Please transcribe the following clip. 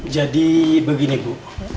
jadi begini bu